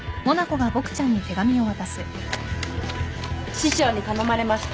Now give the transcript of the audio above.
師匠に頼まれました。